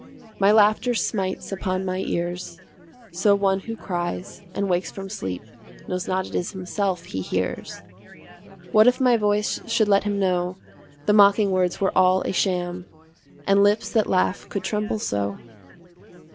My laughter smites upon my ears, So one who cries and wakes from sleep Knows not it is himself he hears. What if my voice should let him know The mocking words were all a sham, And lips that laugh could tremble so?